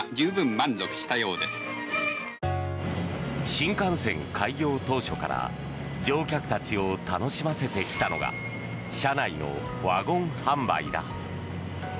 新幹線開業当初から乗客たちを楽しませてきたのが車内のワゴン販売だ。